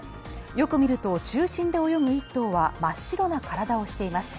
よく見ると、中心で泳ぐ１頭は真っ白な体をしています。